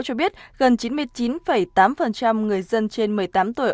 cho biết gần chín mươi chín tám người dân trên một mươi tám tuổi